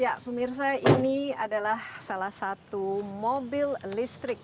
ya pemirsa ini adalah salah satu mobil listrik